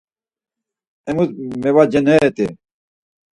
Emus mevacaneret̆i.